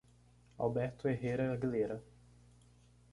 Alberto Herrera Aguilera